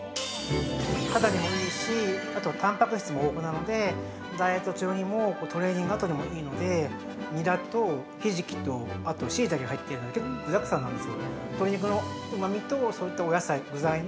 肌にもいいし、あとはたんぱく質も豊富なのでダイエット中にもトレーニングあとでもいいのでニラとひじきとシイタケが入っているので、結構具だくさんなんですよ。